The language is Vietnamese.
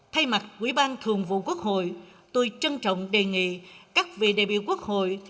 thay mặt quỹ ban thường vụ quốc hội tôi trân trọng đề nghị các vị đại biểu quốc hội